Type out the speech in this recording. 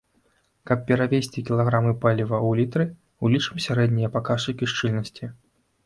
Каб перавесці кілаграмы паліва ў літры, улічым сярэднія паказчыкі шчыльнасці.